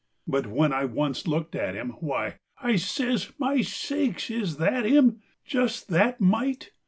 But when I had once looked at him, "Why!" I says, "My sakes, is that him? Just that mite!"